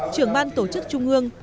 trưởng ban tổ chức trung ương